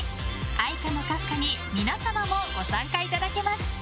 愛花のカフカに皆様もご参加いただけます。